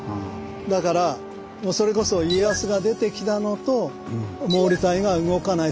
だからもうそれこそ家康が出てきたのと毛利隊が動かない。